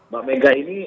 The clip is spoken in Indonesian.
bu mega ini